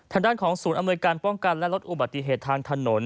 ทางด้านของศูนย์อำนวยการป้องกันและลดอุบัติเหตุทางถนน